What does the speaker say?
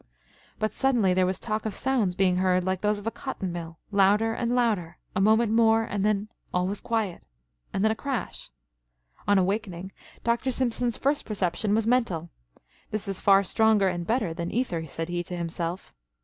But suddenly there was talk of sounds being heard like those of a cotton mill, louder and louder; a moment more, and then all was quiet and then a crash! On awakening, Dr. Simpson's first perception was mental 'This is far stronger and better than ether,' said he to himself.